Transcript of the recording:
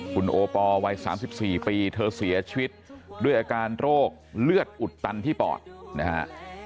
คุณโอปอลวัย๓๔ปีเธอเสียชีวิตด้วยอาการโรคเลือดอุดตันที่ปอดนะฮะ